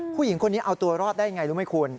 ผู้หญิงคนนี้เอาตัวรอดได้อย่างไรรู้ไหมคุณ